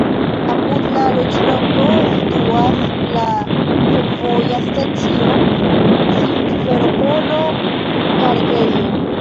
Apud la loĝloko situas la fervoja stacio "Simferopolo-kargejo".